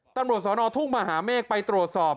ตำรวจสอนอทุ่งมหาเมฆไปตรวจสอบ